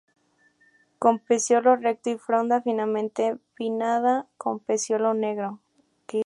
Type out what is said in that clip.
Con peciolo recto y fronda finamente pinnada con peciolo negro.